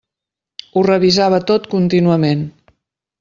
Ho revisava tot contínuament.